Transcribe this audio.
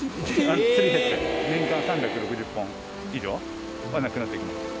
年間３６０本以上はなくなっていきます。